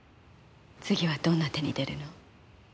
次はどんな手に出るの？